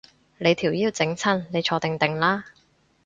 你條腰整親，你坐定定啦